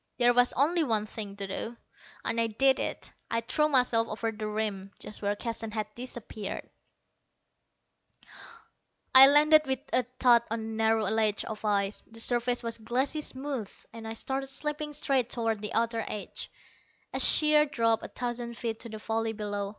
There was only one thing to do, and I did it. I threw myself over the rim, just where Keston had disappeared. I landed with a thud on a narrow ledge of ice. The surface was glassy smooth, and I started slipping straight toward the outer edge, a sheer drop of a thousand feet to the valley below.